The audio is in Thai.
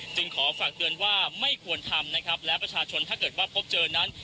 ขอฝากเตือนว่าไม่ควรทำนะครับและประชาชนถ้าเกิดว่าพบเจอนั้น